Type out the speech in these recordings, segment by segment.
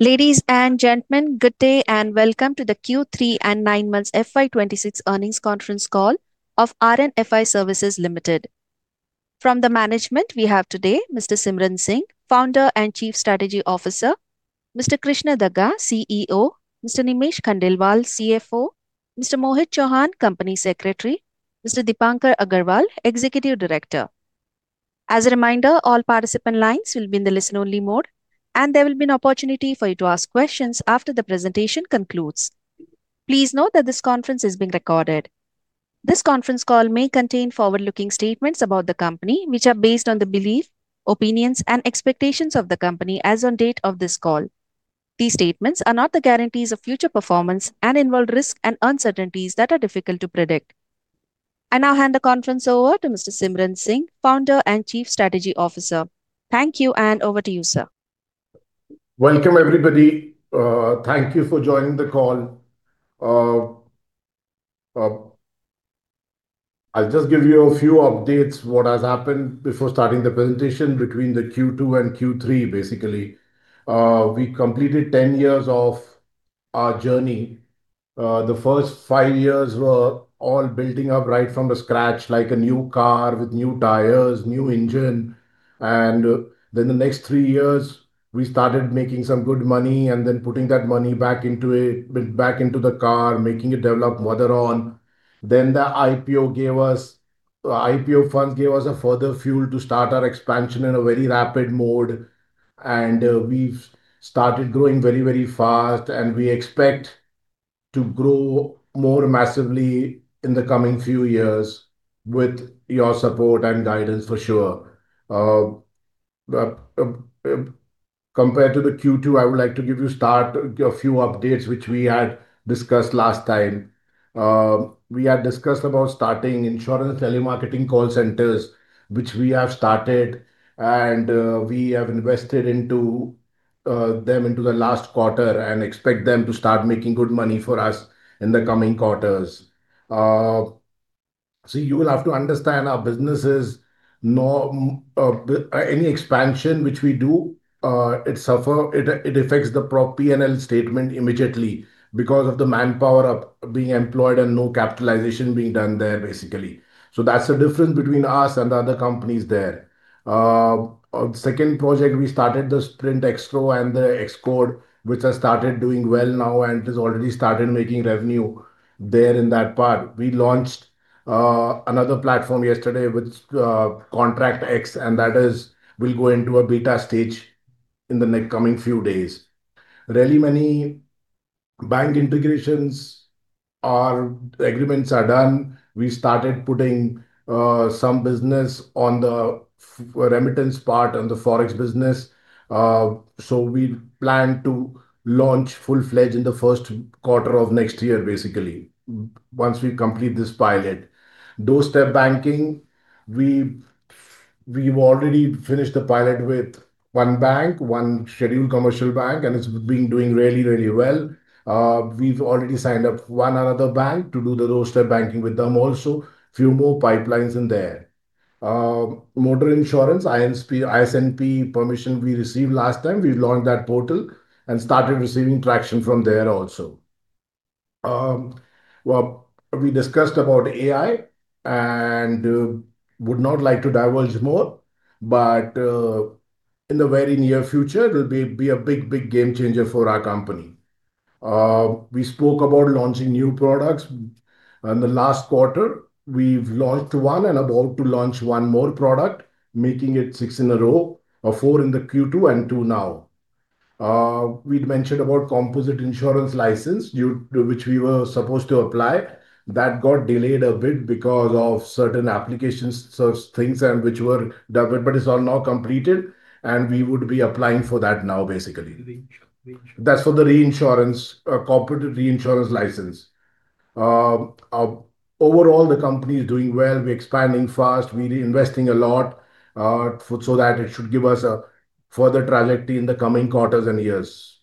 Ladies and gentlemen, good day and welcome to the Q3 and nine months FY26 earnings conference call of RNFI Services Limited. From the management, we have today Mr. Simran Singh, Founder and Chief Strategy Officer; Mr. Krishna Daga, CEO; Mr. Nimesh Khandelwal, CFO; Mr. Mohit Chauhan, Company Secretary; Mr. Deepankar Aggarwal, Executive Director. As a reminder, all participant lines will be in the listen-only mode, and there will be an opportunity for you to ask questions after the presentation concludes. Please note that this conference is being recorded. This conference call may contain forward-looking statements about the company, which are based on the belief, opinions, and expectations of the company as on date of this call. These statements are not the guarantees of future performance and involve risks and uncertainties that are difficult to predict. I now hand the conference over to Mr. Simran Singh, Founder and Chief Strategy Officer. Thank you, and over to you, sir. Welcome, everybody. Thank you for joining the call. I'll just give you a few updates what has happened before starting the presentation between the Q2 and Q3, basically. We completed 10 years of our journey. The first five years were all building up right from the scratch, like a new car with new tires, new engine. Then the next three years, we started making some good money, and then putting that money back into it, back into the car, making it develop further on. Then the IPO gave us IPO funds gave us a further fuel to start our expansion in a very rapid mode, and, we've started growing very, very fast, and we expect to grow more massively in the coming few years with your support and guidance, for sure. Compared to the Q2, I would like to give you start, a few updates, which we had discussed last time. We had discussed about starting insurance telemarketing call centers, which we have started, and we have invested into them into the last quarter and expect them to start making good money for us in the coming quarters. So you will have to understand our business is any expansion which we do, it suffer, it affects the proper P&L statement immediately because of the manpower up being employed and no capitalization being done there, basically. So that's the difference between us and the other companies there. Second project, we started the SprintX Pro and the XCode, which has started doing well now, and it has already started making revenue there in that part. We launched another platform yesterday, which ContractX, and that is, will go into a beta stage in the next coming few days. Really many bank integrations, our agreements are done. We started putting some business on the remittance part, on the Forex business. So we plan to launch full-fledged in the first quarter of next year, basically, once we complete this pilot. Doorstep banking, we've, we've already finished the pilot with one bank, one scheduled commercial bank, and it's been doing really, really well. We've already signed up one another bank to do the Doorstep banking with them also. Few more pipelines in there. Motor insurance, IRDAI, IRDAI permission we received last time. We've launched that portal and started receiving traction from there also. Well, we discussed about AI and would not like to divulge more, but in the very near future, it will be a big, big game changer for our company. We spoke about launching new products. In the last quarter, we've launched 1 and about to launch 1 more product, making it 6 in a row, or 4 in the Q2 and 2 now. We'd mentioned about composite insurance license due to which we were supposed to apply. That got delayed a bit because of certain applications, so things and which were done, but it's all now completed, and we would be applying for that now, basically. Reinsurance. That's for the reinsurance, corporate reinsurance license. Overall, the company is doing well. We're expanding fast. We're investing a lot, for, so that it should give us a further trajectory in the coming quarters and years.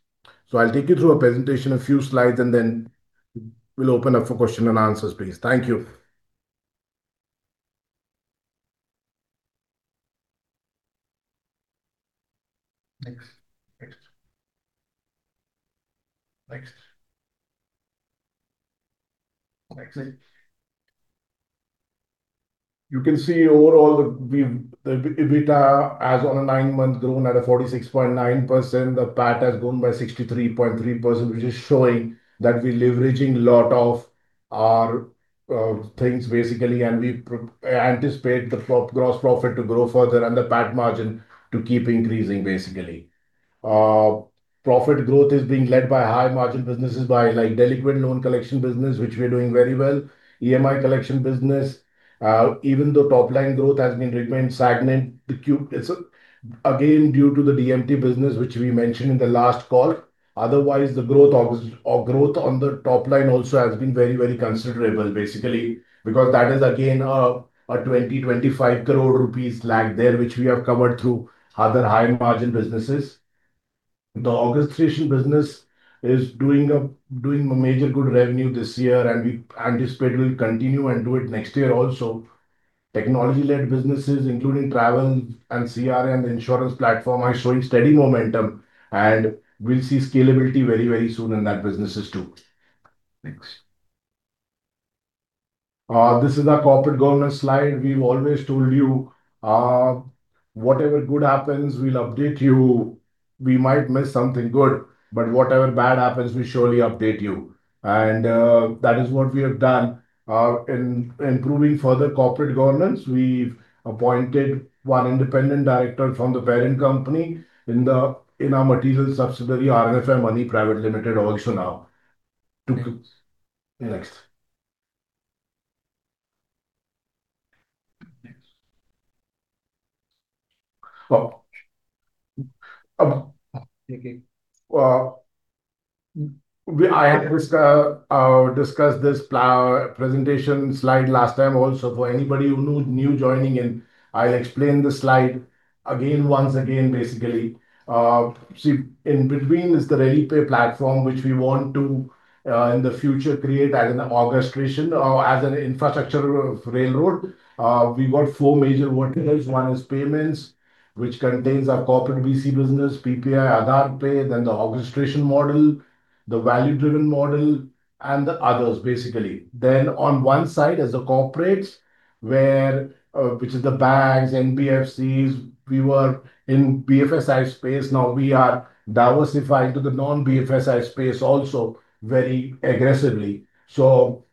So I'll take you through a presentation, a few slides, and then we'll open up for question and answers, please. Thank you. Next. Next. Next. Next, please. You can see overall, the EBITDA, as on a nine-month, grown at a 46.9%. The PAT has grown by 63.3%, which is showing that we're leveraging a lot of our, things, basically, and we anticipate the gross profit to grow further and the PAT margin to keep increasing, basically. Profit growth is being led by high-margin businesses, by, like, delinquent loan collection business, which we are doing very well, EMI collection business. Even though top-line growth has been remained stagnant, it's again due to the DMT business, which we mentioned in the last call. Otherwise, the growth, other growth on the top line also has been very, very considerable, basically, because that is again a 20 crore-25 crore rupees lag there, which we have covered through other high-margin businesses. The orchestration business is doing major good revenue this year, and we anticipate it will continue and do it next year also. Technology-led businesses, including travel and CRM insurance platform, are showing steady momentum, and we'll see scalability very, very soon in that businesses, too. Next. This is our corporate governance slide. We've always told you, whatever good happens, we'll update you. We might miss something good, but whatever bad happens, we surely update you, and, that is what we have done. In improving further corporate governance, we've appointed one independent director from the parent company in our material subsidiary, RNFI Money Private Limited, also now. We discussed this presentation slide last time also. For anybody who new joining in, I'll explain the slide again, once again, basically. See, in between is the Relipay platform, which we want to, in the future, create as an orchestration, or as an infrastructure of railroad. We've got four major verticals. One is payments, which contains our corporate BC business, PPI, Aadhaar Pay, then the orchestration model, the value-driven model, and the others, basically. Then, on one side is the corporates, where, which is the banks, NBFCs. We were in BFSI space, now we are diversifying to the non-BFSI space also very aggressively. So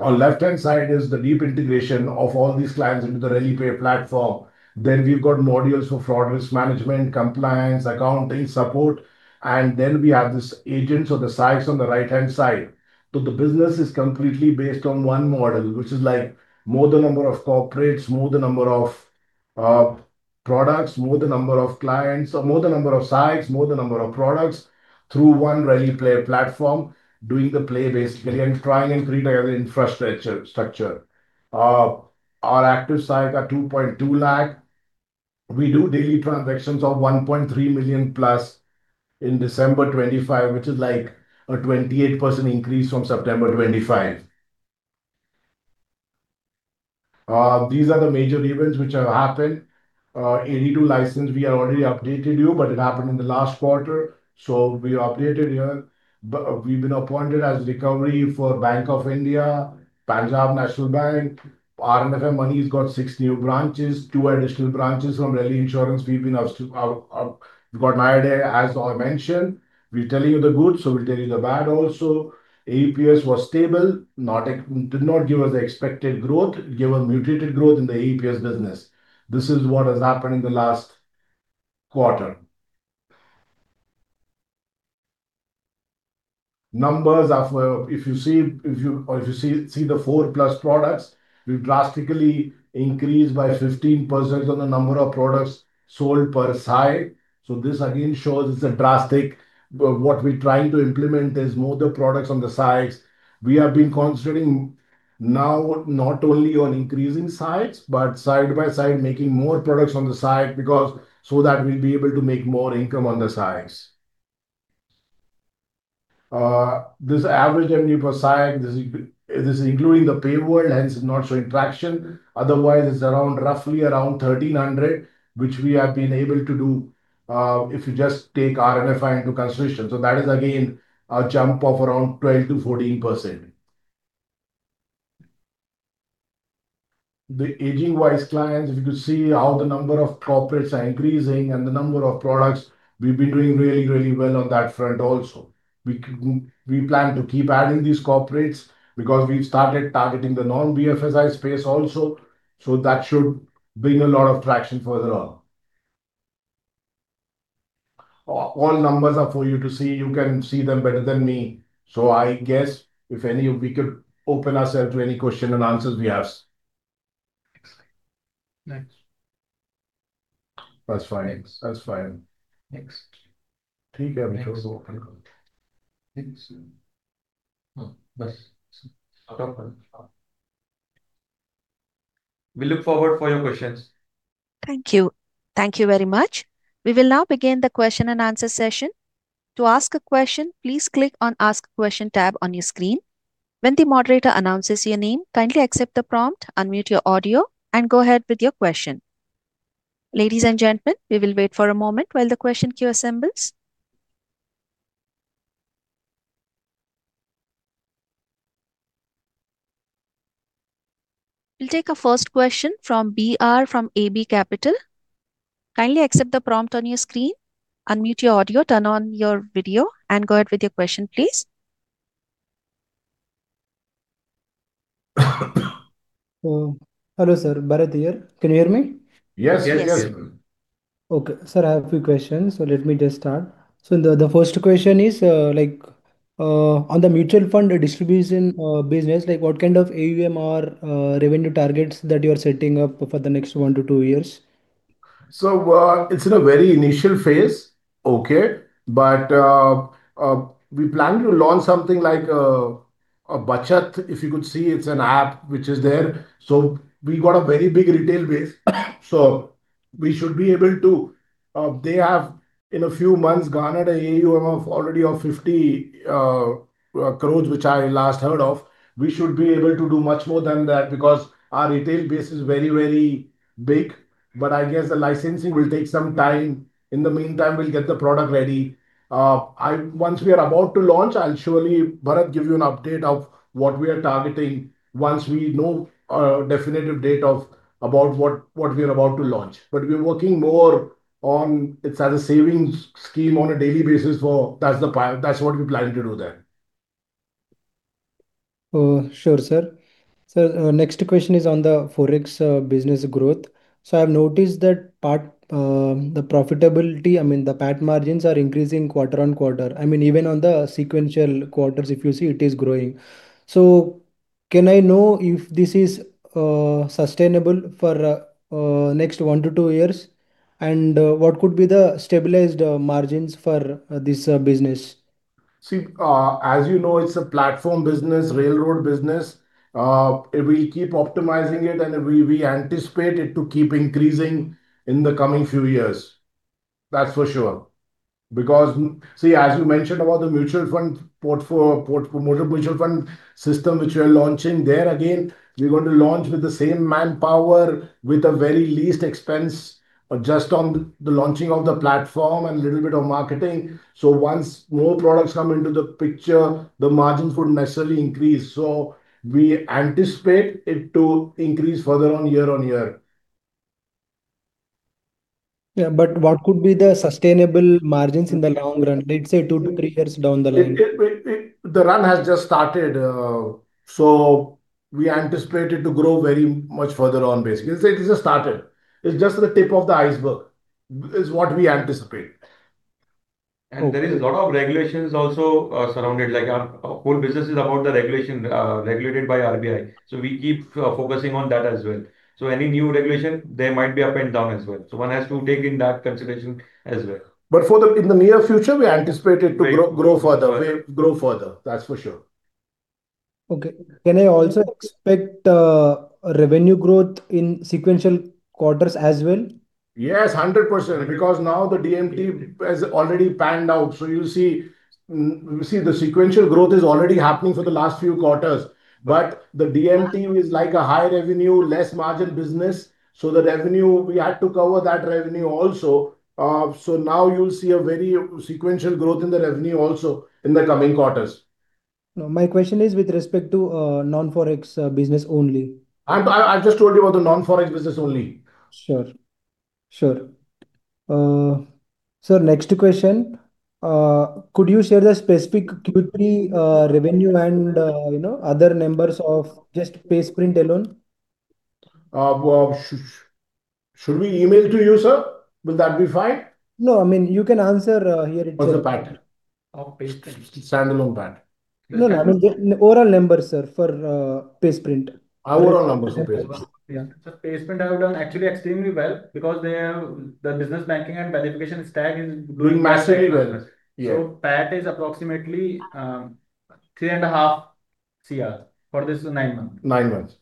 on left-hand side is the deep integration of all these clients into the Relipay platform. Then we've got modules for fraud risk management, compliance, accounting, support, and then we have these agents or the sites on the right-hand side. So the business is completely based on one model, which is, like, more the number of corporates, more the number of products, more the number of clients, or more the number of sites, more the number of products through one Relipay platform, doing the play, basically, and trying and create an infrastructure, structure. Our active sites are 2.2 lakh. We do daily transactions of 1.3 million plus in December 2025, which is, like, a 28% increase from September 2025. These are the major events which have happened. AD-II License, we have already updated you, but it happened in the last quarter, so we updated here. But we've been appointed as recovery for Bank of India, Punjab National Bank. RNFI Money has got six new branches, two additional branches from Reliassure Insurance. We've got [Midea], as I mentioned. We're telling you the good, so we'll tell you the bad also. AEPS was stable, did not give us the expected growth. It gave us muted growth in the AEPS business. This is what has happened in the last quarter. Numbers are for. If you see the 4+ products, we've drastically increased by 15% on the number of products sold per site. So this again shows it's a drastic, what we're trying to implement is more the products on the sites. We have been concentrating now not only on increasing sites, but side by side, making more products on the site, because so that we'll be able to make more income on the sites. This average MV per site, this including the Payworld, hence it's not showing traction. Otherwise, it's around, roughly around 1,300, which we have been able to do, if you just take RNFI into consideration. So that is again a jump of around 12%-14%. The agent-wise clients, if you could see how the number of corporates are increasing and the number of products, we've been doing really, really well on that front also. We we plan to keep adding these corporates because we've started targeting the non-BFSI space also, so that should bring a lot of traction further on. All numbers are for you to see. You can see them better than me. So I guess if any, we could open ourselves to any question and answers we have. Next. Next. That's fine. Next. That's fine. Next. Thank you. Next. Stop. We look forward for your questions. Thank you. Thank you very much. We will now begin the question and answer session. To ask a question, please click on Ask a Question tab on your screen. When the moderator announces your name, kindly accept the prompt, unmute your audio, and go ahead with your question. Ladies and gentlemen, we will wait for a moment while the question queue assembles. We'll take a first question from B.R. from AB Capital. Kindly accept the prompt on your screen, unmute your audio, turn on your video, and go ahead with your question, please. Hello, sir, Bharat here. Can you hear me? Yes. Yes, yes. Yes. Okay. Sir, I have a few questions, so let me just start. The first question is, like, on the mutual fund distribution business, like, what kind of AUM or revenue targets that you are setting up for the next one to two years? So, it's in a very initial phase, okay? But, we plan to launch something like a Bharat. If you could see, it's an app which is there. So we got a very big retail base. So we should be able to, they have in a few months garnered an AUM of already of 50 crore, which I last heard of. We should be able to do much more than that because our retail base is very, very big. But I guess the licensing will take some time. In the meantime, we'll get the product ready. Once we are about to launch, I'll surely, Bharat, give you an update of what we are targeting once we know a definitive date of about what we are about to launch. But we're working more on it as a savings scheme on a daily basis that's the plan. That's what we plan to do there. Sure, sir. So, next question is on the Forex business growth. So I've noticed that PAT, the profitability, I mean, the PAT margins are increasing quarter-on-quarter. I mean, even on the sequential quarters, if you see, it is growing. So can I know if this is sustainable for next one to two years? And, what could be the stabilized margins for this business? See, as you know, it's a platform business, railroad business. We keep optimizing it, and we anticipate it to keep increasing in the coming few years. That's for sure. Because, see, as we mentioned about the mutual fund system, which we are launching, there again, we're going to launch with the same manpower, with the very least expense, just on the launching of the platform and little bit of marketing. So once more products come into the picture, the margins would necessarily increase. So we anticipate it to increase further on year-on-year. Yeah, but what could be the sustainable margins in the long run, let's say two to three years down the line? It, the run has just started, so we anticipate it to grow very much further on, basically. It's just started. It's just the tip of the iceberg, is what we anticipate. There is a lot of regulations also, surrounded. Like, our whole business is about the regulation, regulated by RBI, so we keep focusing on that as well. So any new regulation, there might be up and down as well, so one has to take in that consideration as well. But in the near future, we anticipate it to- Right. Grow further, grow further. That's for sure. Okay. Can I also expect revenue growth in sequential quarters as well? Yes, 100%, because now the DMT has already panned out. So you'll see, you see the sequential growth is already happening for the last few quarters. But the DMT is like a high-revenue, less-margin business, so the revenue, we had to cover that revenue also. So now you'll see a very sequential growth in the revenue also in the coming quarters. No, my question is with respect to non-Forex business only. I just told you about the non-Forex business only. Sure. Sure. Sir, next question. Could you share the specific Q3 revenue and, you know, other numbers of just PaySprint alone? Well, should we email it to you, sir? Will that be fine? No, I mean, you can answer here it- Of the PAT. Of PaySprint. Standalone PAT. No, no, I mean the overall numbers, sir, for PaySprint. Our overall numbers of PaySprint. Yeah. So PaySprint have done actually extremely well because they have the business banking and verification stack is doing massively well. Yeah. PAT is approximately 3.5 crore for this nine months. 9 months.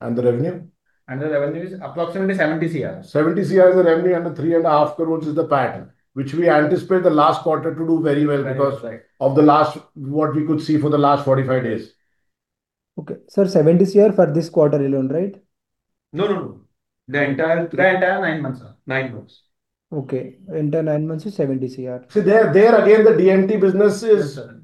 And the revenue? The revenue is approximately 70 crore. 70 CR is the revenue, and the 3.5 crores is the PAT, which we anticipate the last quarter to do very well- That's right Because of the last, what we could see for the last 45 days. Okay. Sir, 70 crore for this quarter alone, right? No, no, no. The entire, the entire nine months, sir. nine months. Okay. Entire nine months is 70 crore. See, there again, the DMT business is- Yes, sir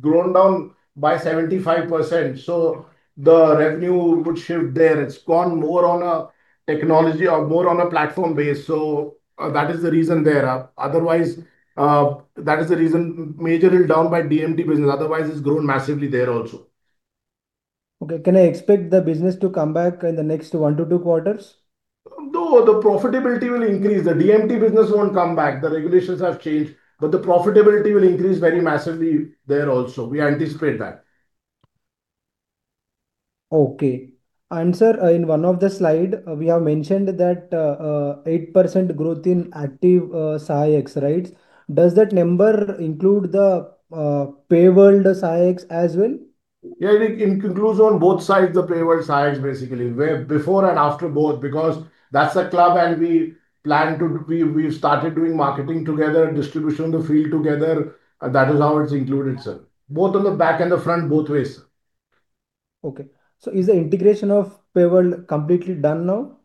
Grown down by 75%, so the revenue would shift there. It's gone more on a technology or more on a platform base, so, that is the reason there. Otherwise, that is the reason, majorly down by DMT business, otherwise it's grown massively there also. Okay. Can I expect the business to come back in the next one to two quarters? No, the profitability will increase. The DMT business won't come back. The regulations have changed, but the profitability will increase very massively there also. We anticipate that. Okay. Sir, in one of the slide, we have mentioned that 8% growth in active Sahayaks, right? Does that number include the Payworld Sahayaks as well? Yeah, it includes on both sides the Payworld SprintX, basically, where before and after both, because that's a club and we plan to. We've started doing marketing together, distribution in the field together, and that is how it's included, sir. Both on the back and the front, both ways. Okay. So is the integration of Payworld completely done now?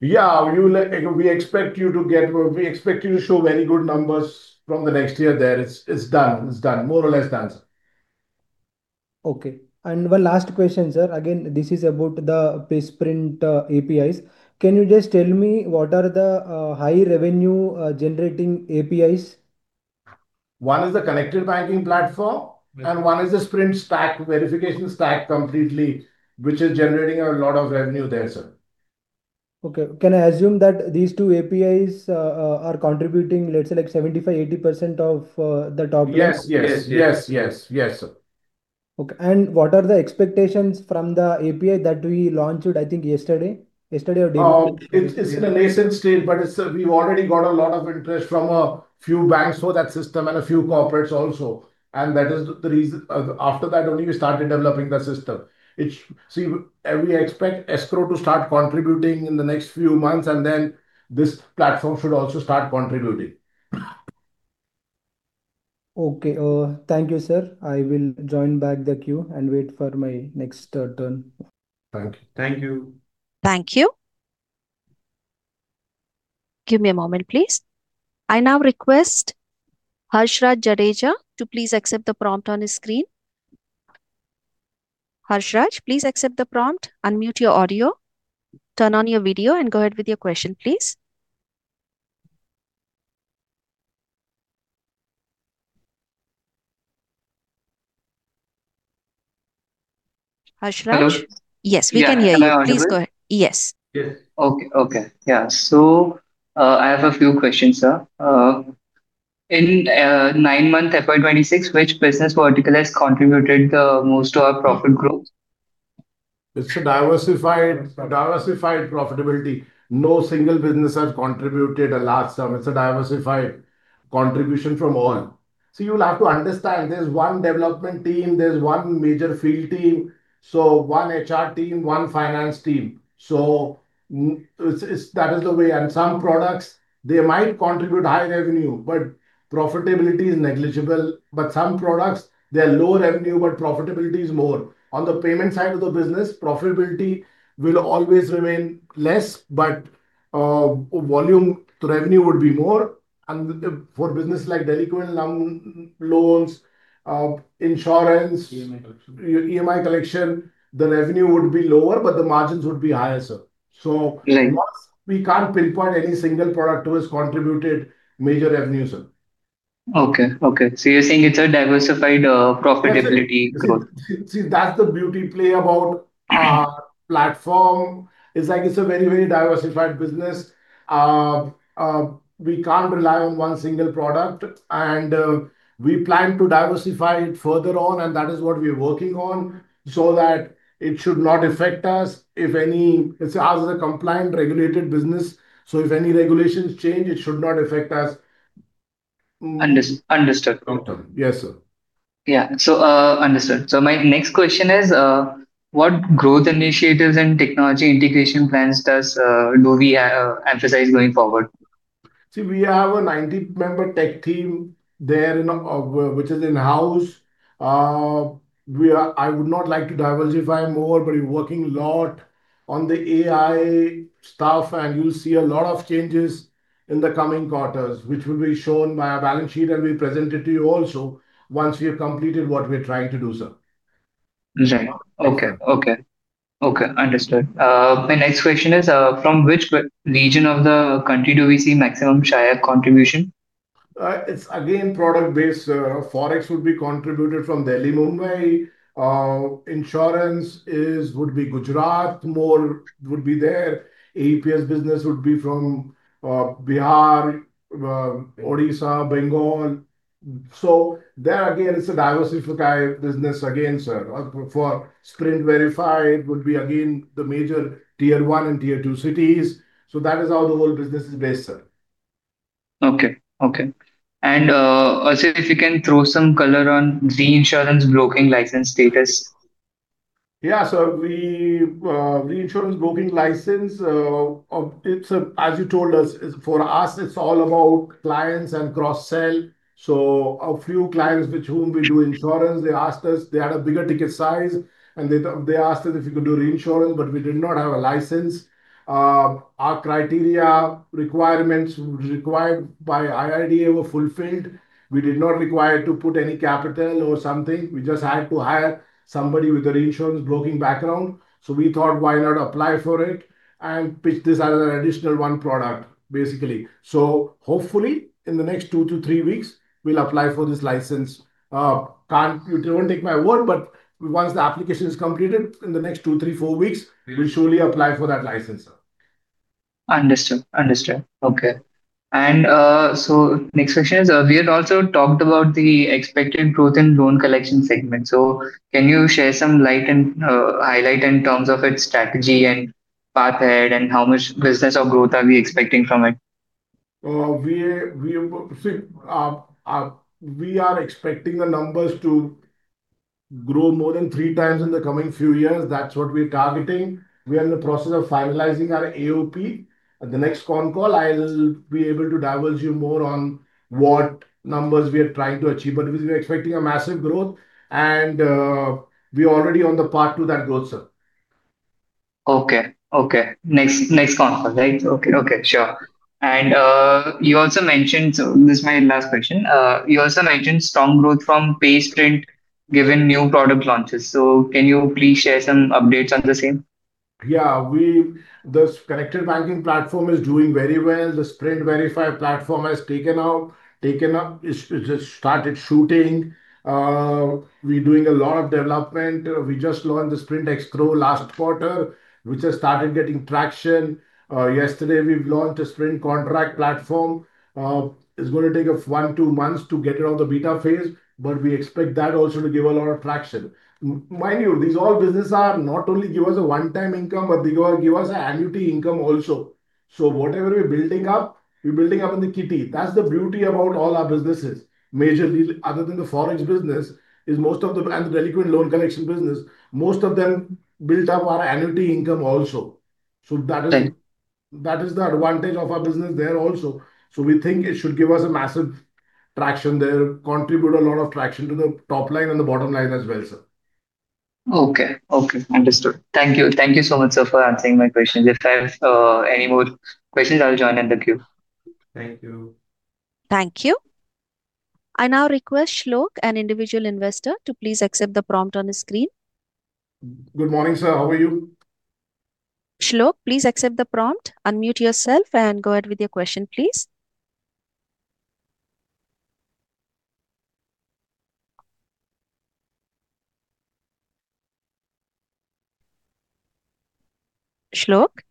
Yeah. We expect you to show very good numbers from the next year there. It's, it's done. It's done. More or less done, sir. Okay. One last question, sir. Again, this is about the PaySprint APIs. Can you just tell me what are the high revenue generating APIs? One is the connected banking platform and one is the Sprint stack, verification stack, completely, which is generating a lot of revenue there, sir. Okay. Can I assume that these two APIs are contributing, let's say, like 75%-80% of the top line? Yes, yes. Yes. Yes, yes, yes, sir. Okay. What are the expectations from the API that we launched, I think yesterday? Yesterday or day before- It's in the nascent stage, but it's, we've already got a lot of interest from a few banks for that system and a few corporates also, and that is the reason. After that only we started developing the system. It's. See, we expect escrow to start contributing in the next few months, and then this platform should also start contributing. Okay, thank you, sir. I will join back the queue and wait for my next turn. Thank you. Thank you. Thank you. Give me a moment, please. I now request Harshraj Jadeja to please accept the prompt on his screen. Harshraj, please accept the prompt, unmute your audio, turn on your video, and go ahead with your question, please. Harshraj? Hello. Yes, we can hear you. Yeah, can you hear me? Please go ahead. Yes. Yes. Okay. Okay. Yeah. I have a few questions, sir. In nine-month FY 2026, which business vertical has contributed the most to our profit growth? It's a diversified, diversified profitability. No single business has contributed a large sum. It's a diversified contribution from all. So you will have to understand, there's one development team, there's one major field team, so one HR team, one finance team. So it's, it's, that is the way. And some products, they might contribute high revenue, but profitability is negligible. But some products, they are low revenue, but profitability is more. On the payment side of the business, profitability will always remain less, but volume to revenue would be more. And for business like delinquent loans, insurance- EMI collection. EMI collection, the revenue would be lower, but the margins would be higher, sir. Right. We can't pinpoint any single product who has contributed major revenue, sir. Okay. Okay. So you're saying it's a diversified, profitability growth? See, that's the beauty play about our platform. It's like it's a very, very diversified business. We can't rely on one single product, and we plan to diversify it further on, and that is what we are working on, so that it should not affect us if any as ours is a compliant, regulated business, so if any regulations change, it should not affect us. Underst- understood. Yes, sir. Yeah. So, understood. So my next question is, what growth initiatives and technology integration plans does, do we emphasize going forward? See, we have a 90-member tech team there in, which is in-house. We are—I would not like to diversify more, but we're working a lot on the AI stuff, and you'll see a lot of changes in the coming quarters, which will be shown by our balance sheet, and we present it to you also once we have completed what we are trying to do, sir. Right. Okay. Okay. Okay, understood. My next question is, from which region of the country do we see maximum Sahayak contribution? It's again, product-based. Forex would be contributed from Delhi, Mumbai. Insurance is, would be Gujarat, more would be there. AEPS business would be from Bihar, Odisha, Bengal. So there, again, it's a diversified business again, sir. For SprintVerify, it would be again, the major Tier One and Tier Two cities. So that is how the whole business is based, sir. Okay. Okay. And, also, if you can throw some color on the insurance broking license status? Yeah, so we, reinsurance broking license, of-- it's, as you told us, for us, it's all about clients and cross-sell. So a few clients with whom we do insurance, they asked us, they had a bigger ticket size, and they, they asked us if we could do reinsurance, but we did not have a license. Our criteria requirements required by IRDAI were fulfilled. We did not require to put any capital or something. We just had to hire somebody with a reinsurance broking background. So we thought, why not apply for it, and pitch this as an additional one product, basically. So hopefully, in the next two to three weeks, we'll apply for this license. Can't-- you don't take my word, but once the application is completed, in the next two, three, four weeks, we will surely apply for that license, sir. Understood. Understood. Okay. And, so next question is, we had also talked about the expected growth in loan collection segment. So can you share some light in, highlight in terms of its strategy and path ahead, and how much business or growth are we expecting from it? We are expecting the numbers to grow more than 3 times in the coming few years. That's what we're targeting. We are in the process of finalizing our AOP. At the next con call, I'll be able to divulge you more on what numbers we are trying to achieve, but we're expecting a massive growth, and we are already on the path to that growth, sir. Okay. Okay. Next, next con call, right? Okay. Okay, sure. And, you also mentioned so this is my last question. You also mentioned strong growth from PaySprint, given new product launches. So can you please share some updates on the same? Yeah, we the connected banking platform is doing very well. The SprintVerify platform has taken off, taken up. It's started shooting. We're doing a lot of development. We just launched the Sprint X Pro last quarter, which has started getting traction. Yesterday, we've launched a Sprint Contract platform. It's going to take us one to two months to get it on the beta phase, but we expect that also to give a lot of traction. Mind you, these all business are not only give us a one-time income, but they give us an annuity income also. So whatever we're building up, we're building up in the kitty. That's the beauty about all our businesses. Majorly, other than the Forex business, is most of the and the delinquent loan collection business, most of them build up our annuity income also. So that is, that is the advantage of our business there also. So we think it should give us a massive traction there, contribute a lot of traction to the top line and the bottom line as well, sir. Okay. Okay, understood. Thank you. Thank you so much, sir, for answering my question. If I have any more questions, I'll join in the queue. Thank you. Thank you. I now request Shlok, an individual investor, to please accept the prompt on his screen. Good morning, sir. How are you? Shlok, please accept the prompt, unmute yourself, and go ahead with your question, please. Shlok?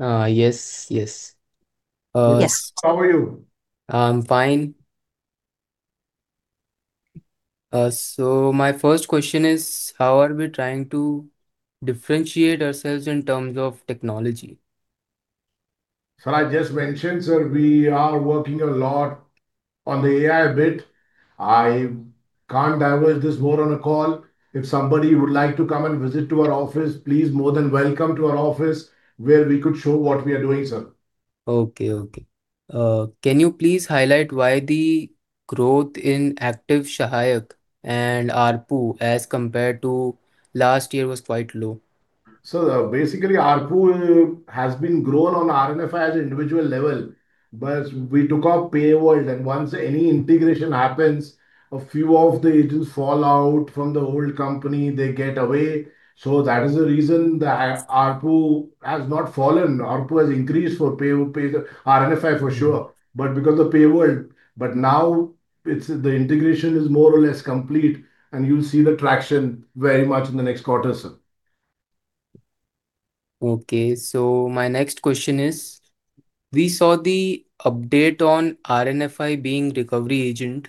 Yes, yes. Yes. How are you? I'm fine. So my first question is: How are we trying to differentiate ourselves in terms of technology? Sir, I just mentioned, sir, we are working a lot on the AI bit. I can't divulge this more on a call. If somebody would like to come and visit to our office, please, more than welcome to our office, where we could show what we are doing, sir. Okay. Okay, can you please highlight why the growth in active Sahayak and ARPU as compared to last year was quite low? So basically, ARPU has been grown on RNFI as individual level, but we took off Payworld, and once any integration happens, a few of the agents fall out from the old company, they get away. So that is the reason the ARPU has not fallen. ARPU has increased for Payworld, RNFI for sure, but because of Payworld. But now it's, the integration is more or less complete, and you'll see the traction very much in the next quarter, sir. Okay, so my next question is: We saw the update on RNFI being recovery agent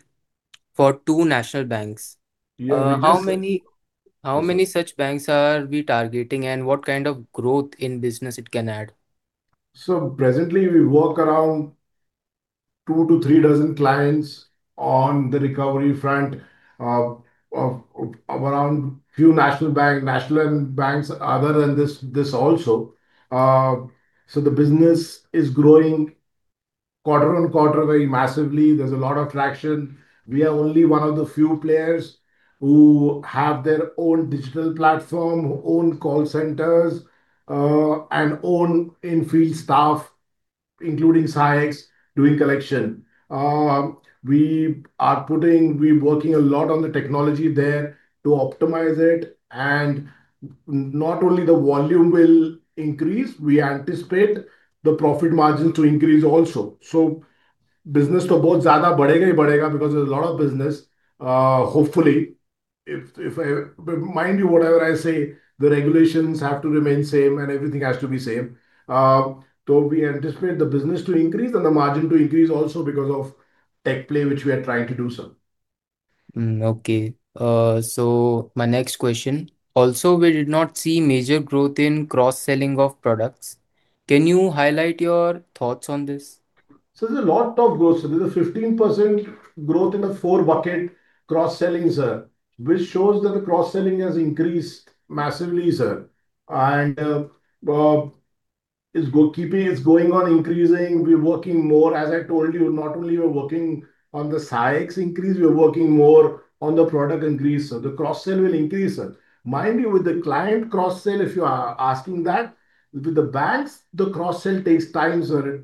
for two national banks. Yeah. How many such banks are we targeting, and what kind of growth in business it can add? So presently, we work around two to three dozen clients on the recovery front, of around few national banks other than this, this also. So the business is growing quarter on quarter very massively. There's a lot of traction. We are only one of the few players who have their own digital platform, own call centers, and own in-field staff, including Sahayaks, doing collection. We're working a lot on the technology there to optimize it, and not only the volume will increase, we anticipate the profit margin to increase also. So business, because there's a lot of business. Hopefully, if I but mind you, whatever I say, the regulations have to remain same and everything has to be same. We anticipate the business to increase and the margin to increase also because of tech play, which we are trying to do, sir. Okay. So my next question: Also, we did not see major growth in cross-selling of products. Can you highlight your thoughts on this? So there's a lot of growth. So there's a 15% growth in the four bucket cross-selling, sir, which shows that the cross-selling has increased massively, sir. It's going on increasing. We're working more, as I told you, not only we're working on the Sahayaks increase, we're working more on the product increase, so the cross-sell will increase, sir. Mind you, with the client cross-sell, if you are asking that, with the banks, the cross-sell takes time, sir.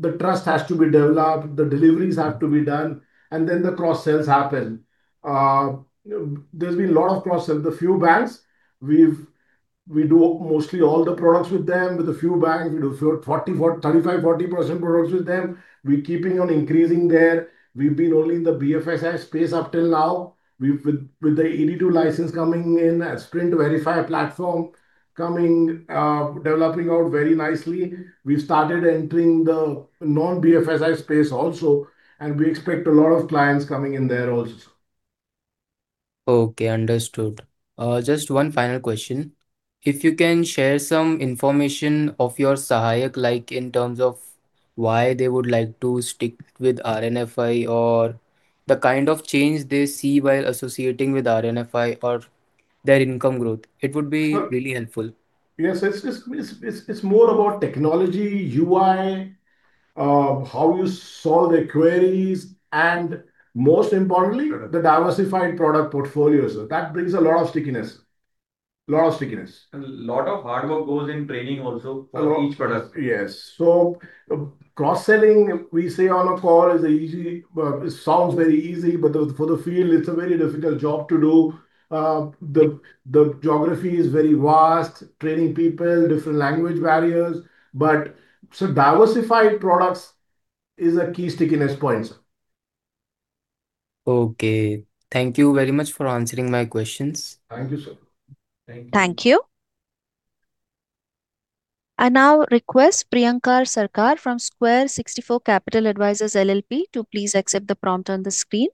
The trust has to be developed, the deliveries have to be done, and then the cross-sells happen. There's been a lot of cross-sell. The few banks we do mostly all the products with them. With a few banks, we do 40, 40, 35, 40% products with them. We're keeping on increasing there. We've been only in the BFSI space up till now. With the AD-II license coming in and SprintVerify platform coming, developing out very nicely, we've started entering the non-BFSI space also, and we expect a lot of clients coming in there also. Okay, understood. Just one final question. If you can share some information of your Sahayak, like in terms of why they would like to stick with RNFI, or the kind of change they see while associating with RNFI, or their income growth. It would be- Sir- Really helpful. Yes, it's more about technology, UI, how you solve their queries, and most importantly the diversified product portfolio. That brings a lot of stickiness. Lot of stickiness. A lot of hard work goes in training also for each product. Yes. So cross-selling, we say on a call, is easy. It sounds very easy, but, for the field, it's a very difficult job to do. The geography is very vast, training people, different language barriers. But, so diversified products is a key stickiness point, sir. Okay. Thank you very much for answering my questions. Thank you, sir. Thank you. Thank you. I now request Priyankar Sarkar from Square 64 Capital Advisors LLP, to please accept the prompt on the screen.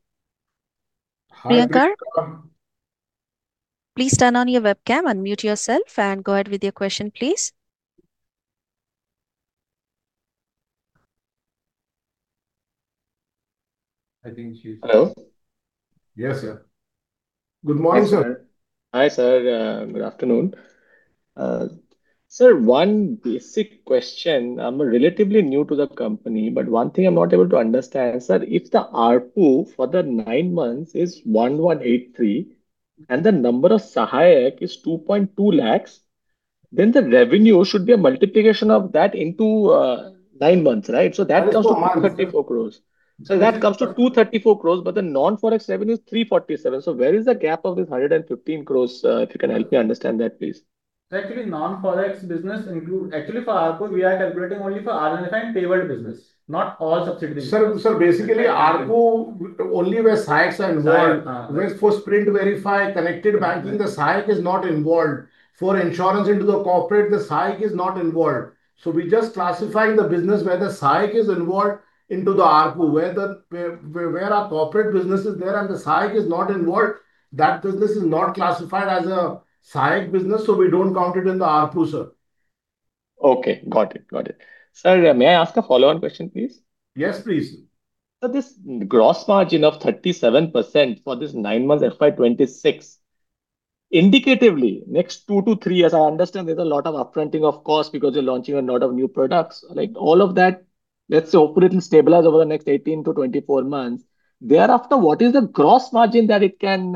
Hi- Priyankar, please turn on your webcam, unmute yourself, and go ahead with your question, please. I think she's- Hello? Yes, sir. Good morning, sir. Hi, sir. Good afternoon. Sir, one basic question. I'm relatively new to the company, but one thing I'm not able to understand, sir, if the ARPU for the nine months is 1,183, and the number of Sahayak is 2.2 lakhs, then the revenue should be a multiplication of that into nine months, right? Yes. So that comes to 234 crore. So that comes to 234 crore, but the non-Forex revenue is 347 crore. So where is the gap of this 115 crore, if you can help me understand that, please? Actually, for ARPU, we are calculating only for SprintVerify and Payworld business, not all subsidiary. Sir, sir, basically, ARPU only where Sahayaks are involved. Sahayak, uh. Where for SprintVerify, connected banking, the Sahayak is not involved. For insurance into the corporate, the Sahayak is not involved. So we just classifying the business where the Sahayak is involved into the ARPU, where our corporate business is there and the Sahayak is not involved, that business is not classified as a Sahayak business, so we don't count it in the ARPU, sir. Okay. Got it. Got it. Sir, may I ask a follow-on question, please? Yes, please. So this gross margin of 37% for this nine months FY 2026, indicatively, next two to three years, I understand there's a lot of upfronting of cost because you're launching a lot of new products. Like, all of that, let's hope it will stabilize over the next 18-24 months. Thereafter, what is the gross margin that it can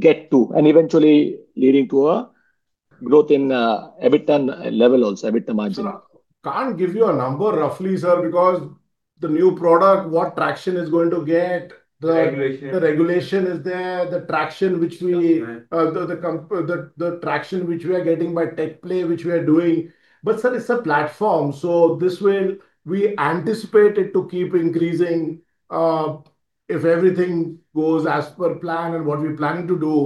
get to, and eventually leading to a growth in EBITDA level also, EBITDA margin? I can't give you a number roughly, sir, because the new product, what traction it's going to get- Regulation. the regulation is there, the traction which we Yeah. The traction which we are getting by tech play, which we are doing. But, sir, it's a platform, so this will, we anticipate it to keep increasing, if everything goes as per plan and what we plan to do.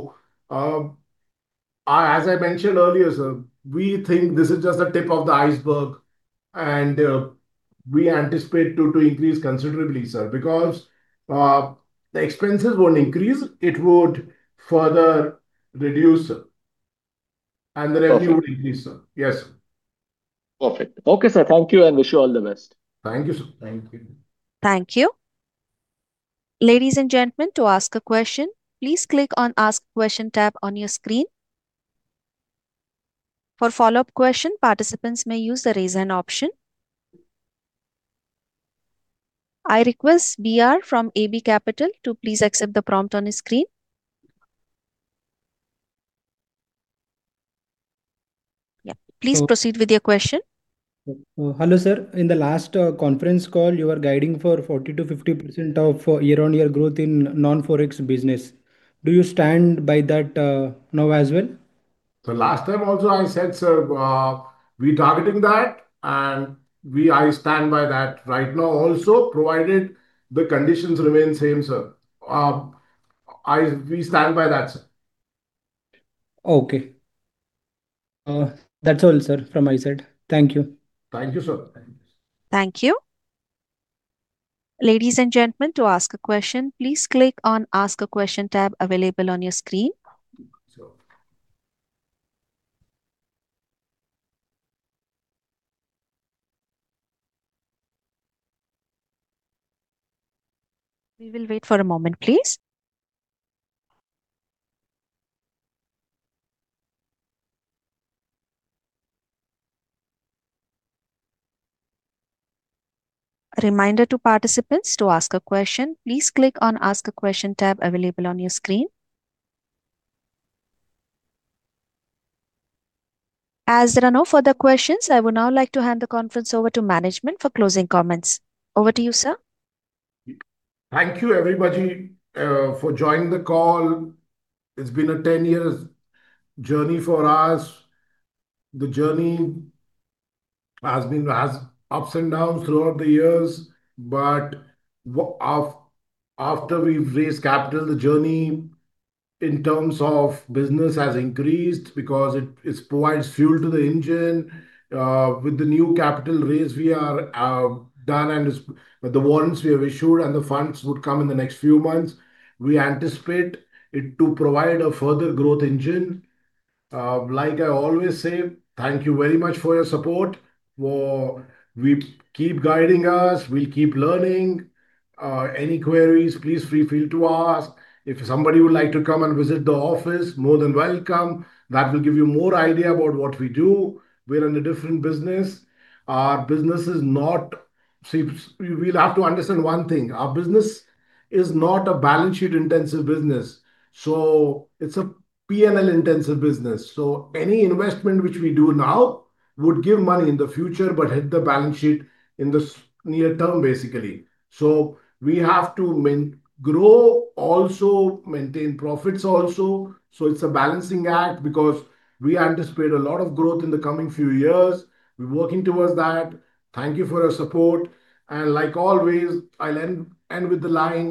As I mentioned earlier, sir, we think this is just the tip of the iceberg, and we anticipate to increase considerably, sir. Because the expenses won't increase, it would further reduce, and the revenue- Okay. Will increase, sir. Yes, sir. Perfect. Okay, sir, thank you, and wish you all the best. Thank you, sir. Thank you. Thank you. Ladies and gentlemen, to ask a question, please click on Ask Question tab on your screen. For follow-up question, participants may use the Raise Hand option. I request BR from AB Capital to please accept the prompt on his screen. Yeah. Hello- Please proceed with your question. Hello, sir. In the last conference call, you were guiding for 40%-50% year-on-year growth in non-Forex business. Do you stand by that, now as well? So last time also, I said, sir, we're targeting that, and I stand by that right now also, provided the conditions remain same, sir. I, we stand by that, sir. Okay. That's all, sir, from my side. Thank you. Thank you, sir. Thank you. Thank you. Ladies and gentlemen, to ask a question, please click on Ask a Question tab available on your screen. We will wait for a moment, please. A reminder to participants, to ask a question, please click on Ask a Question tab available on your screen. As there are no further questions, I would now like to hand the conference over to management for closing comments. Over to you, sir. Thank you, everybody, for joining the call. It's been a 10-year journey for us. The journey has been, has ups and downs throughout the years, but after we've raised capital, the journey in terms of business has increased because it provides fuel to the engine. With the new capital raise, we are done, and the warrants we have issued and the funds would come in the next few months. We anticipate it to provide a further growth engine. Like I always say, thank you very much for your support, for keep guiding us. We'll keep learning. Any queries, please feel free to ask. If somebody would like to come and visit the office, more than welcome. That will give you more idea about what we do. We're in a different business. Our business is not. See, you will have to understand one thing: our business is not a balance sheet-intensive business. So it's a PNL-intensive business. So any investment which we do now would give money in the future, but hit the balance sheet in the short near term, basically. So we have to maintain, grow, also maintain profits also. So it's a balancing act because we anticipate a lot of growth in the coming few years. We're working towards that. Thank you for your support. And like always, I'll end with the line: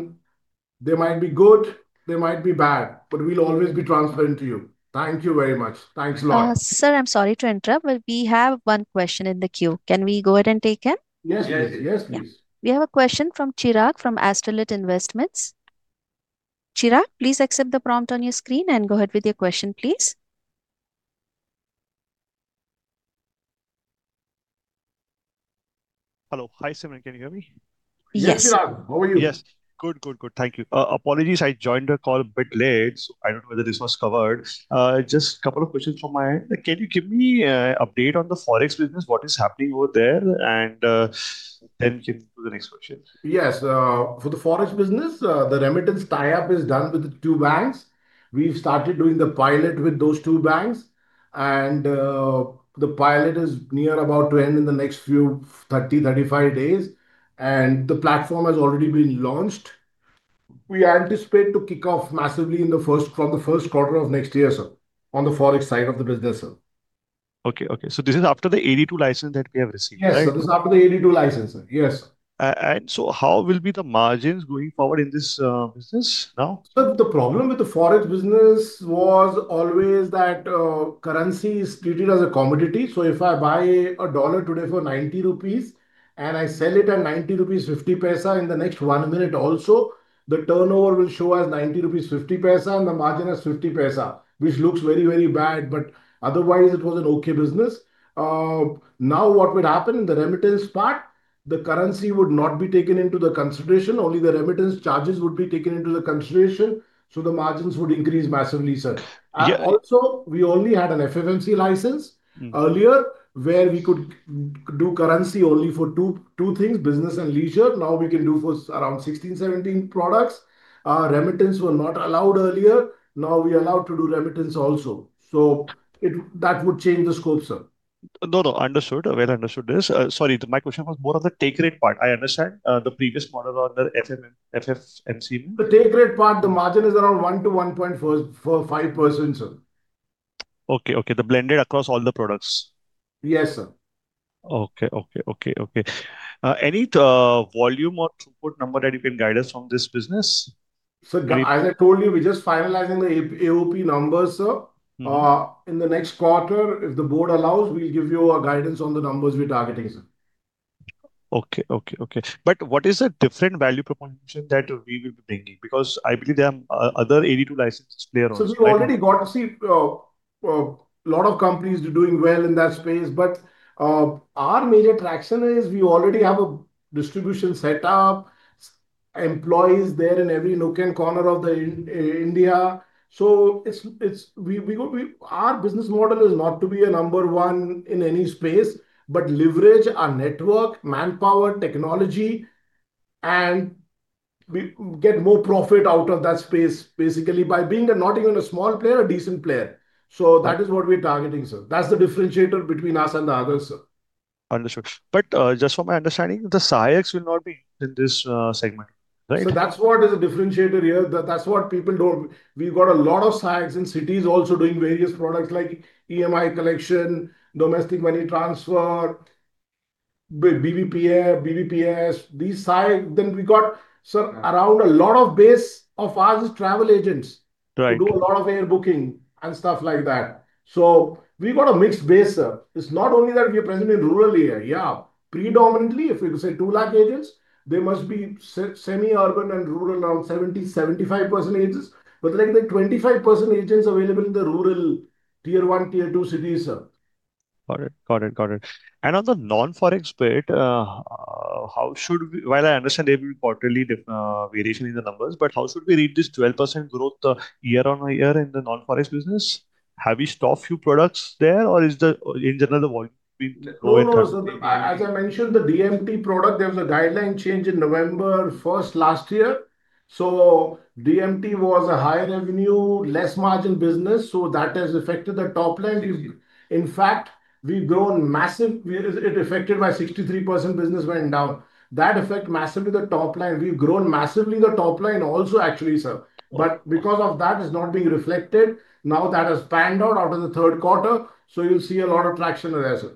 They might be good, they might be bad, but we'll always be transparent to you. Thank you very much. Thanks a lot. Sir, I'm sorry to interrupt, but we have one question in the queue. Can we go ahead and take it? Yes. Yes. Yes, please. We have a question from Chirag, from Astrolite Investments. Chirag, please accept the prompt on your screen and go ahead with your question, please. Hello. Hi, Simon. Can you hear me? Yes. Yes, we can. How are you? Yes. Good, good, good. Thank you. Apologies, I joined the call a bit late, so I don't know whether this was covered. Just a couple of questions from my end. Can you give me update on the Forex business, what is happening over there, and then we can go to the next question? Yes, for the Forex business, the remittance tie-up is done with the two banks. We've started doing the pilot with those two banks, and the pilot is near about to end in the next few 30, 35 days, and the platform has already been launched. We anticipate to kick off massively from the first quarter of next year, sir, on the Forex side of the business, sir. Okay, okay. So this is after the AD-II license that we have received, right? Yes, sir. This is after the AD-II license, sir. Yes. And so, how will be the margins going forward in this business now? Sir, the problem with the Forex business was always that, currency is treated as a commodity. So if I buy a dollar today for 90 rupees, and I sell it at 90.50 rupees in the next 1 minute also, the turnover will show as 90.50 rupees, and the margin as 0.50, which looks very, very bad, but otherwise it was an okay business. Now what would happen, the remittance part, the currency would not be taken into the consideration, only the remittance charges would be taken into the consideration, so the margins would increase massively, sir. Yeah- Also, we only had an FFMC license earlier, where we could do currency only for two, two things, business and leisure. Now we can do for around 16, 17 products. Remittance were not allowed earlier, now we are allowed to do remittance also. So that would change the scope, sir. No, no, understood. Well understood this. Sorry, my question was more of the take rate part. I understand, the previous model on the FFMC. The take rate part, the margin is around 1%-1.15%, sir. Okay, okay. The blended across all the products? Yes, sir. Okay, okay, okay, okay. Any volume or throughput number that you can guide us on this business? Sir, as I told you, we're just finalizing the AOP numbers, sir. In the next quarter, if the board allows, we'll give you a guidance on the numbers we're targeting, sir. Okay, okay, okay. But what is the different value proposition that we will be bringing? Because I believe there are other AD-II licenses players also, right? So we've already got to see a lot of companies doing well in that space, but our major traction is we already have a distribution set up, employees there in every nook and corner of India. Our business model is not to be a number one in any space, but leverage our network, manpower, technology, and we get more profit out of that space basically by being a, not even a small player, a decent player. So that is what we're targeting, sir. That's the differentiator between us and the others, sir. Understood. But, just for my understanding, the SIHs will not be in this segment, right? So that's what is a differentiator here. That's what people don't, we've got a lot of SIHs in cities also doing various products like EMI collection, domestic money transfer BBPS, these SIH. Then we got, sir, around a lot of base of our travel agents- Right. Who do a lot of air booking and stuff like that. So we've got a mixed base, sir. It's not only that we are present in rural area. Yeah, predominantly, if we say 200,000 agents, they must be semi-urban and rural, around 70%-75% agents, but like the 25% agents available in the rural Tier 1, Tier 2 cities, sir. Got it. Got it, got it. And on the non-Forex bit, how should we, while I understand there will be quarterly diff, variation in the numbers, but how should we read this 12% growth, year-on-year in the non-Forex business? Have you stopped few products there, or is, in general, the volume we know it- No, no, sir. As I mentioned, the DMT product, there was a guideline change in November 1 last year. So DMT was a high revenue, less margin business, so that has affected the top line. Mm. In fact, we've grown massive, it affected my 63% business went down. That affect massively the top line. We've grown massively the top line also actually, sir. Okay. Because of that, it's not being reflected. Now, that has panned out after the third quarter, so you'll see a lot of traction there, sir.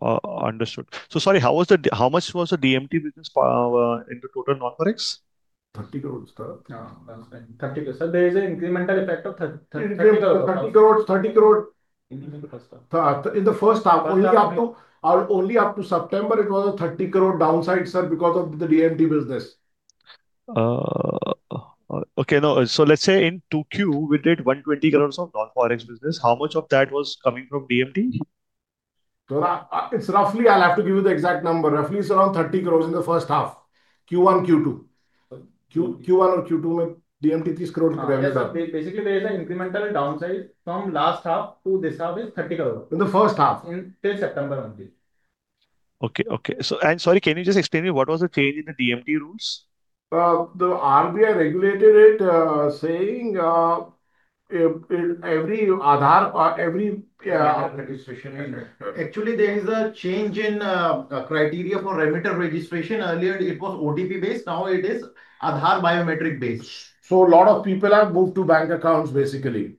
Understood. So sorry, how much was the DMT business in the total non-Forex? 30 crore, sir. 30 crore. Sir, there is an incremental effect of 30 crore. 30 crore. Incremental, sir. In the first half, only up to, only up to September, it was a 30 crore downside, sir, because of the DMT business. Okay, now, so let's say in 2Q, we did 120 crore of non-Forex business. How much of that was coming from DMT? It's roughly, I'll have to give you the exact number. Roughly, it's around 30 crore in the first half, Q1, Q2. Q1 or Q2 with DMT, 30 crore. Yeah, sir. Basically, there is an incremental downside from last half to this half is 30 crore. In the first half. Till September only. Okay, okay. So, and sorry, can you just explain to me what was the change in the DMT rules? The RBI regulated it, saying, every Aadhaar or every, Registration. Actually, there is a change in criteria for remitter registration. Earlier, it was OTP based, now it is Aadhaar biometric based. So a lot of people have moved to bank accounts, basically.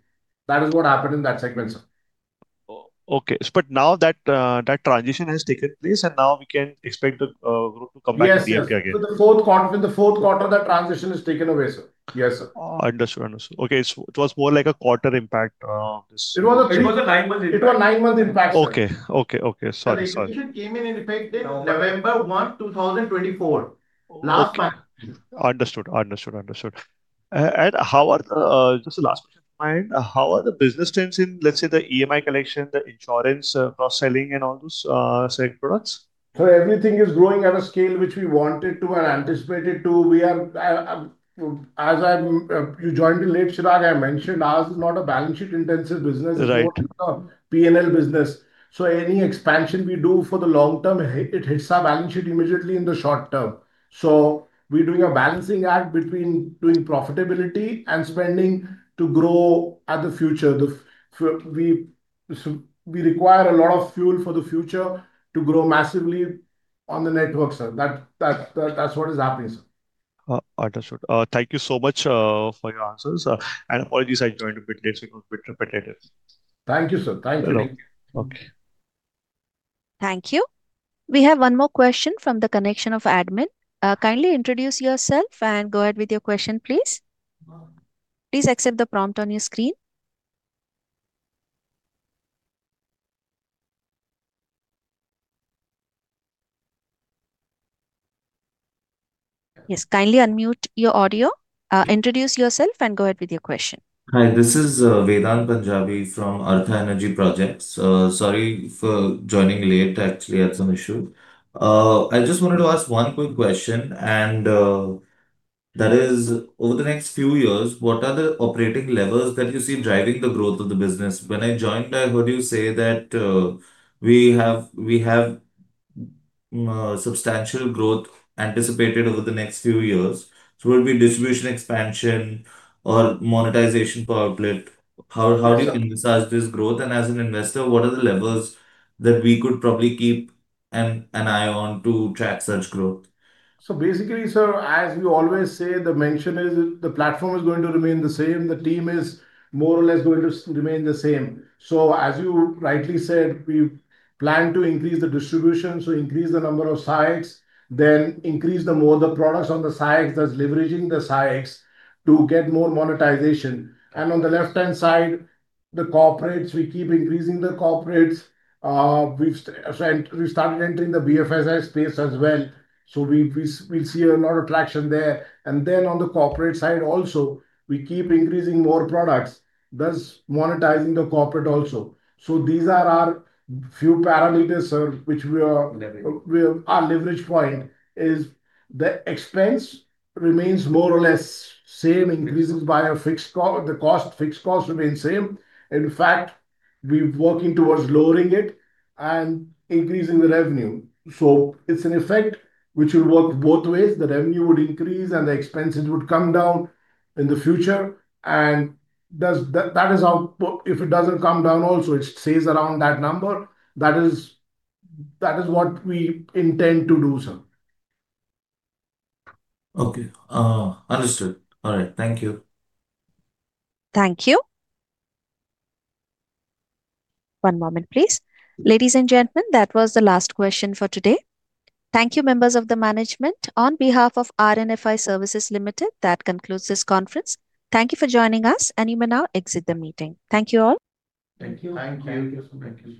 That is what happened in that segment, sir. Okay, but now that that transition has taken place, and now we can expect the growth to come back again. Yes, sir. So the fourth quarter, in the fourth quarter, that transition is taken away, sir. Yes, sir. Understood, understood. Okay, so it was more like a quarter impact, this- It was a three- It was a 9-month impact. It was a nine month impact. Okay. Okay, okay. Sorry, sorry. The decision came into effect in November 1, 2024. Last month. Understood, understood, understood and how are just the last point in mind, how are the business trends in, let's say, the EMI collection, the insurance, cross-selling, and all those selling products? So everything is growing at a scale which we wanted to and anticipated to. We are. You joined in late, Chirag. I mentioned ours is not a balance sheet-intensive business- Right. It's more of a P&L business. So any expansion we do for the long term, it hits our balance sheet immediately in the short term. So we're doing a balancing act between doing profitability and spending to grow at the future. So we require a lot of fuel for the future to grow massively on the network, sir. That's what is happening, sir. Understood. Thank you so much for your answers. Apologies, I joined a bit late, so I got a bit repetitive. Thank you, sir. Thank you. Okay. Thank you. We have one more question from the connection of admin. Kindly introduce yourself and go ahead with your question, please. Please accept the prompt on your screen. Yes, kindly unmute your audio, introduce yourself, and go ahead with your question. Hi, this is Vedant Punjabi from Artha Energy Projects. Sorry for joining late. I actually had some issue. I just wanted to ask one quick question, and that is: over the next few years, what are the operating levers that you see driving the growth of the business? When I joined, I heard you say that we have substantial growth anticipated over the next few years. So will it be distribution expansion or monetization per outlet? How do you envisage this growth? And as an investor, what are the levers that we could probably keep an eye on to track such growth? So basically, sir, as we always say, the mention is the platform is going to remain the same. The team is more or less going to remain the same. So as you rightly said, we plan to increase the distribution, so increase the number of sites, then increase the more the products on the sites, thus leveraging the sites to get more monetization. And on the left-hand side, the corporates, we keep increasing the corporates. We've, and we started entering the BFSI space as well, so we'll see a lot of traction there. And then on the corporate side also, we keep increasing more products, thus monetizing the corporate also. So these are our few parameters, sir, which we are- Leverage. Our leverage point is the expense remains more or less same, increases by a fixed cost, the fixed cost remains same. In fact, we're working towards lowering it and increasing the revenue. So it's an effect which will work both ways. The revenue would increase and the expenses would come down in the future, and that is how. But if it doesn't come down also, it stays around that number. That is what we intend to do, sir. Okay. Understood. All right. Thank you. Thank you. One moment, please. Ladies and gentlemen, that was the last question for today. Thank you, members of the management. On behalf of RNFI Services Limited, that concludes this conference. Thank you for joining us, and you may now exit the meeting. Thank you, all. Thank you. Thank you. Thank you. Thank you.